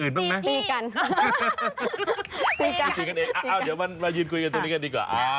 เอาเดี๋ยวมันมายืนคุยกันตรงนี้กันดีกว่า